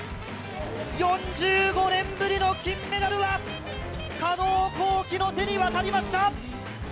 ４５年ぶりの金メダルは加納虹輝の手に渡りました！